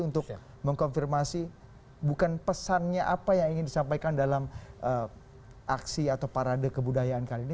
untuk mengkonfirmasi bukan pesannya apa yang ingin disampaikan dalam aksi atau parade kebudayaan kali ini